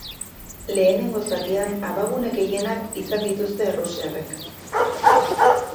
Lehenengo zatian, abagune gehienak izan dituzte errusiarrek.